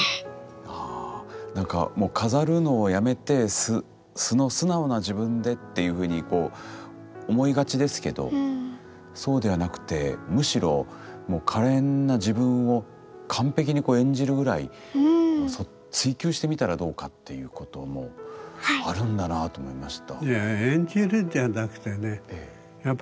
なんかもう飾るのをやめて素の素直な自分でっていうふうに思いがちですけどそうではなくてむしろもう可憐な自分を完璧にこう演じるぐらい追求してみたらどうかっていうこともあるんだなと思いました。